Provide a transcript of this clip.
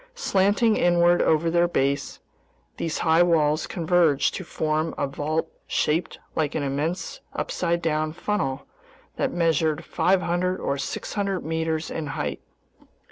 Slanting inward over their base, these high walls converged to form a vault shaped like an immense upside down funnel that measured 500 or 600 meters in height.